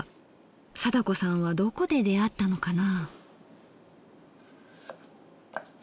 貞子さんはどこで出会ったのかな。